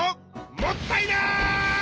もったいない！